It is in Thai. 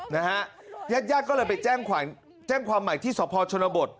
นะฮะญาติก็เลยไปแจ้งความใหม่ที่สพชนบท